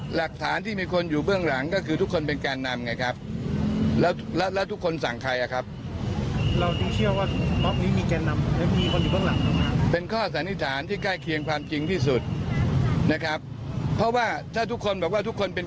เพราะว่าถ้าทุกคนบอกว่าทุกคนเป็นแกนนำเนี่ยแล้วใครรับผิดชอบใครสั่งสัญญาณมาจากไหน